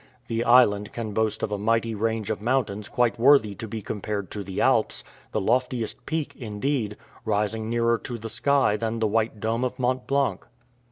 The island can boast of a mighty range of mountains quite worthy to be compared to the Alps, the loftiest peak, indeed, rising nearer to the sky than the white dome of Mont Blanc.